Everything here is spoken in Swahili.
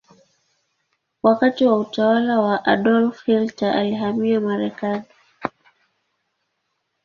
Wakati wa utawala wa Adolf Hitler alihamia Marekani.